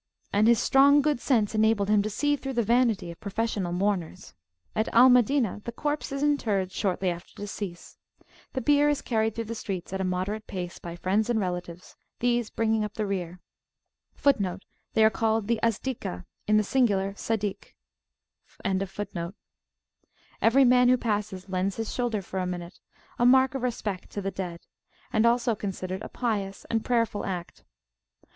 And his strong good sense enabled him to see through the vanity of professional mourners. At Al Madinah the corpse is interred shortly after decease. The bier is carried though the streets at a moderate pace, by friends and relatives,[FN#39] these bringing up the rear. Every man who passes lends his shoulder for a minute, a mark of respect to the dead, and also considered a pious and a prayerful act.